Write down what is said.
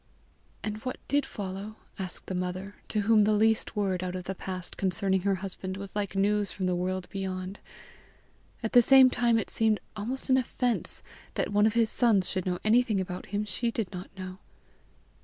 "And what did follow?" asked the mother, to whom the least word out of the past concerning her husband, was like news from the world beyond. At the same time it seemed almost an offence that one of his sons should know anything about him she did not know.